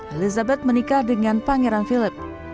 elizabeth menikah dengan pangeran philip